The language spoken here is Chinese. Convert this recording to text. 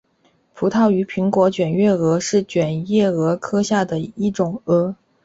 葡萄与苹果卷叶蛾是卷叶蛾科下的一种蛾。